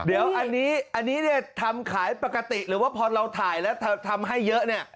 เดี๋ยวอันนี้เนี่ยทำขายปกติหรือว่าพอเราถ่ายแล้วทำให้เยอะเนี่ย